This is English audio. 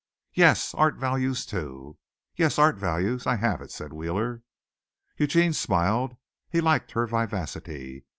"Yes. 'Art values' too." "Yes. 'Art values.' I have it," said Wheeler. Eugene smiled. He liked her vivacity.